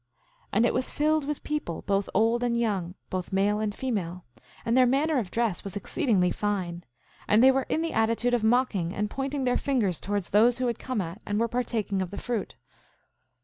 8:27 And it was filled with people, both old and young, both male and female; and their manner of dress was exceedingly fine; and they were in the attitude of mocking and pointing their fingers towards those who had come at and were partaking of the fruit.